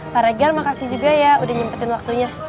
pak regel makasih juga ya udah nyempetin waktunya